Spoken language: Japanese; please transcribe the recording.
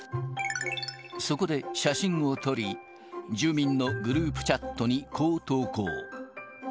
そこで写真を撮り、住民のグループチャットにこう投稿。